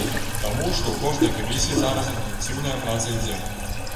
Таму, што ў кожнай камісіі зараз інтэнсіўная праца ідзе.